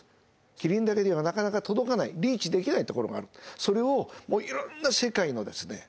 キリンだけではなかなか届かないリーチできないところがあるそれをいろんな世界のですね